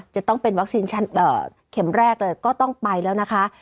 จะต้องเป็นวัคซีนเข็มแรกเลยก็ต้องไปแล้วนะคะ